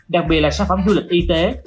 đặc biệt là sản phẩm du lịch y tế